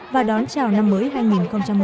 và đón chào năm mới hai nghìn một mươi bảy